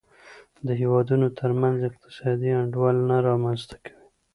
د هېوادونو ترمنځ اقتصادي انډول نه رامنځته کوي.